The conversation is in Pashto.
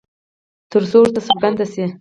ترڅو ورته څرگنده شي